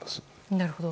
なるほど。